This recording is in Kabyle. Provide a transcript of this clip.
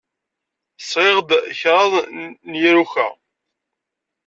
Sɣiɣ-d kraḍ n yiruka.